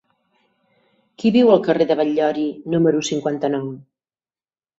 Qui viu al carrer de Batllori número cinquanta-nou?